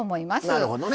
なるほどね。